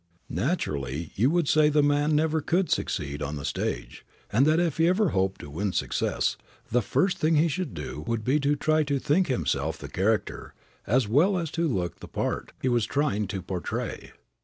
Naturally you would say the man never could succeed on the stage, and that if he ever hoped to win success, the first thing he should do would be to try to think himself the character, as well as to look the part, he was trying to portray.